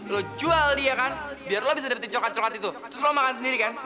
lo jual dia kan biar lo bisa dapetin coklat coklat itu terus lo makan sendiri kan